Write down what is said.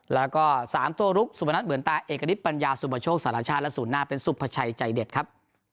แล้วก็๓ตัวลุกสุพนัทเหมือนตาเอกณิตปัญญาสุปโชคสารชาติและศูนย์หน้าเป็นสุภาชัยใจเด็ดครับ